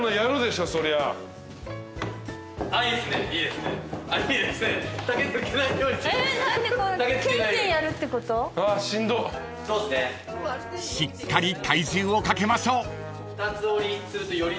［しっかり体重をかけましょう］